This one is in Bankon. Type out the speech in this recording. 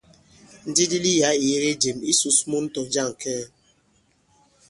Ndilili yǎ ì yege jěm. Ǐ sǔs mun tɔ̀ jȃŋ kɛɛ.